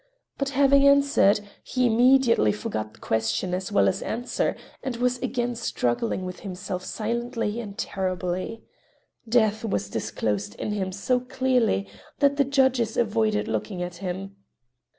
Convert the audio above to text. But having answered, he immediately forgot question as well as answer, and was again struggling with himself silently and terribly. Death was disclosed in him so clearly that the judges avoided looking at him.